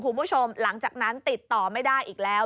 คุณผู้ชมหลังจากนั้นติดต่อไม่ได้อีกแล้ว